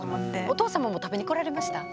お父様も食べに来られました？